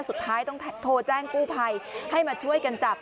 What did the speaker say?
สุดท้ายต้องโทรแจ้งกู้ภัยให้มาช่วยกันจับ